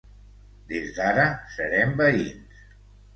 Des d’ara serem veïns.